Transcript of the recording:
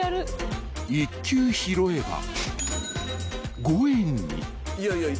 ［１球拾えば５円に］